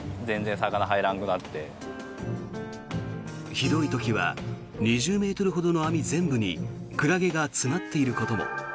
ひどい時は２０ｍほどの網全部にクラゲが詰まっていることも。